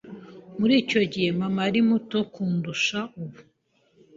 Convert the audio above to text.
Muri icyo gihe, mama yari muto kundusha ubu.